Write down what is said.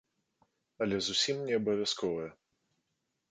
Але зусім не абавязковая.